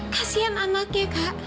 kasian anaknya kak